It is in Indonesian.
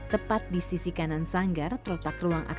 tepat di sisi kanan sanggar terletak ruang air lirik